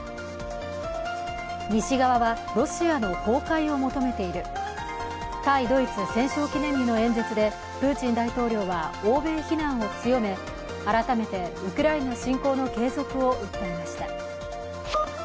西側はロシアの崩壊を求めている、対ドイツ戦勝記念日の演説でプーチン大統領は、欧米非難を強め、改めてウクライナ侵攻の継続を訴えました。